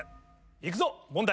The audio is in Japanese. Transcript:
行くぞ問題。